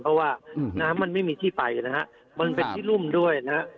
เพราะว่าน้ำมันไม่มีที่ไปนะฮะมันเป็นที่รุ่มด้วยนะฮะ